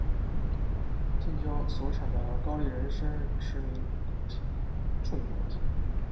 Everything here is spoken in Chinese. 近郊所产的高丽人参驰名国际。